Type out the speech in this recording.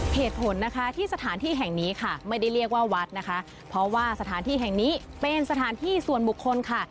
เหตุผลนะคะที่สถานที่แห่งนี้ค่ะไม่ได้เรียกว่าวัดนะคะเพราะว่าสถานที่แห่งนี้เป็นสถานที่ส่วนบุคคลค่ะ